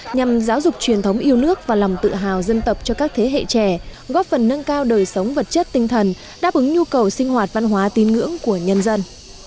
nhằm giáo dục truyền thống yêu nước và lòng tự hào dân tộc cho các thế hệ trẻ góp phần nâng cao đời sống vật chất tinh thần đáp ứng nhu cầu sinh hoạt văn hóa tin ngưỡng của nhân dân